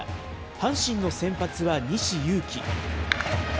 阪神の先発は西勇輝。